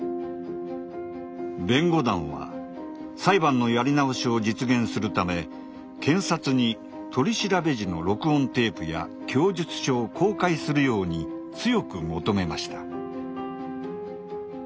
弁護団は裁判のやり直しを実現するため検察に取り調べ時の録音テープや供述書を公開するように強く求めました。